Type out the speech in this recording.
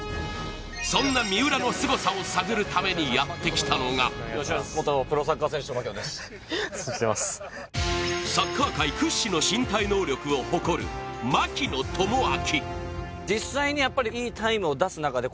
そんな三浦のすごさを探るためにやってきたのがサッカー界屈指の身体能力を誇る、槙野智章。